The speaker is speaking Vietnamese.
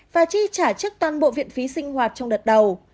và trị trả chức toàn bộ viện phí sinh hoạt trong đợt đầu